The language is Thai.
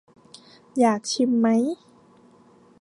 อยากชิมไหม